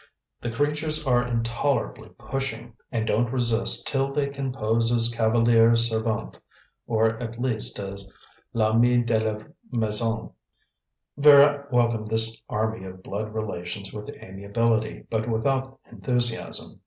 The creatures are intolerably pushing, and don't rest till they can pose as cavaliere servente or at least as l'ami de la maison." Vera welcomed this army of blood relations with amiability, but without enthusiasm.